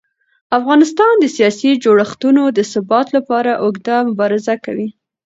افغانستان د سیاسي جوړښتونو د ثبات لپاره اوږده مبارزه کوي